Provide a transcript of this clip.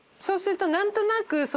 そうすると何となく。